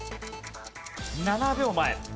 ７秒前。